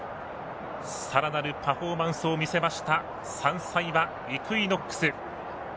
さらなるパフォーマンスを見せました３歳馬、イクイノックス。